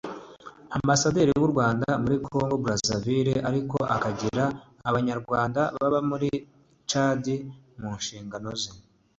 Ambassaderi w’u Rwanda muri Congo Brazaville ariko akagira Abanyarwanda baba muri Tchad mu nshingano ze